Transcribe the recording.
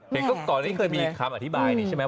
เห็นก็ก่อนที่เคยมีคำอธิบายนี่ใช่ไหม